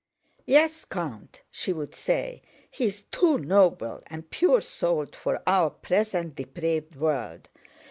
"Yes, Count," she would say, "he is too noble and pure souled for our present, depraved world.